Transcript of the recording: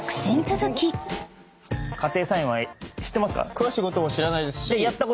詳しいことも知らないですし。